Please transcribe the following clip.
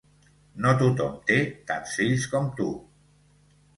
No tothom té tants fills com tu.